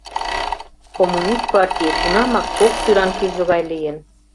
Коммунист партий тунамак кок тӱран кӱзӧ гай лийын.